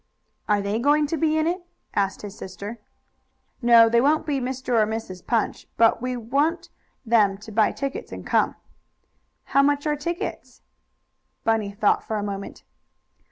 "Are they going to be in it?" asked his sister. "No, they won't be Mr. or Mrs. Punch, but we want them to buy tickets and come." "How much are tickets?" Bunny thought for a moment.